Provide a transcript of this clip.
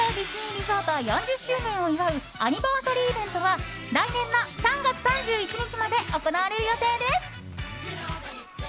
リゾート４０周年を祝うアニバーサリーイベントは来年の３月３１日まで行われる予定です。